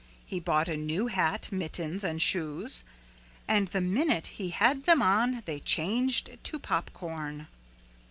He bought a new hat, mittens and shoes. And the minute he had them on they changed to popcorn.